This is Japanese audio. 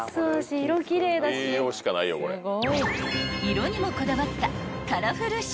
［色にもこだわった］